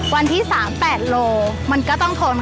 วันที่๓๘โลมันก็ต้องทน